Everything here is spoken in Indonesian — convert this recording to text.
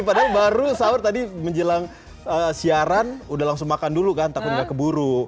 padahal baru sahur tadi menjelang siaran udah langsung makan dulu kan takut gak keburu